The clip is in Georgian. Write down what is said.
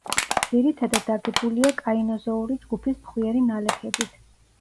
ძირითადად აგებულია კაინოზოური ჯგუფის ფხვიერი ნალექებით.